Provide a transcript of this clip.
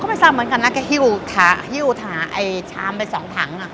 ก็ไม่ซำเหมือนกันนะกะฮิวถาฉามเป็น๒ถัง